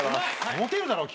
モテるだろ君。